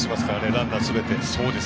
ランナーすべて。